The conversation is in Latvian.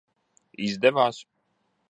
Izdevās?